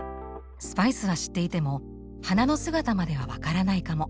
スパイスは知っていても花の姿までは分からないかも。